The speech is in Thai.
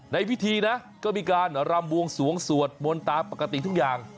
ในพิธีนะก็มีการรำบวงสวงสวดมนต์ตามปกติทุกอย่าง